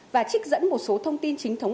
và trích dẫn một số thông tin chính thống